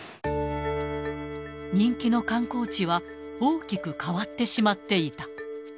人気の観光地は、大きく変わってしまっていた。